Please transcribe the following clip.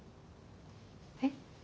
えっ？